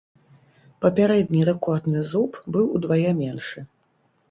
Папярэдні рэкордны зуб быў удвая меншы.